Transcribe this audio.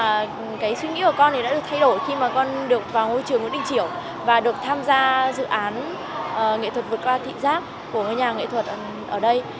và cái suy nghĩ của con thì đã được thay đổi khi mà con được vào ngôi trường nguyễn đình chiểu và được tham gia dự án nghệ thuật vượt qua thị giác của nhà nghệ thuật ở đây